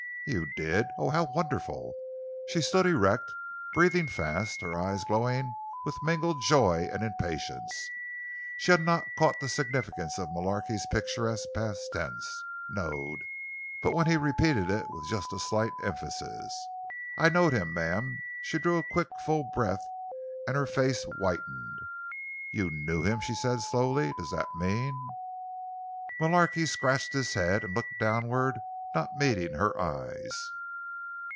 "You did? Oh, how wonderful!" She stood erect, breathing fast, her eyes glowing with mingled joy and impatience. She had not caught the significance of Mullarky's picturesque past tense, "knowed;" but when he repeated it, with just a slight emphasis: "I knowed him, ma'am," she drew a quick, full breath and her face whitened. "You knew him," she said slowly. "Does that mean——" Mullarky scratched his head and looked downward, not meeting her eyes.